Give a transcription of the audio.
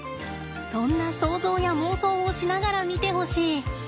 そんな想像や妄想をしながら見てほしい。